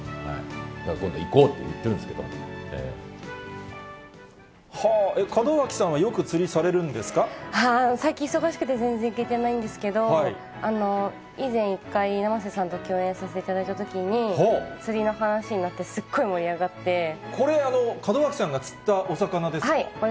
だから今度行こうというふうに言門脇さんはよく釣りされるん最近忙しくて全然行けてないんですけど、以前、１回生瀬さんと共演させていただいたときに、釣りの話になって、これ、門脇さんが釣ったお魚はい。